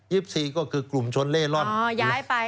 ยิปซีก็คือกลุ่มชนเล่ล่อนทำเสร็จอ๋อย้ายไป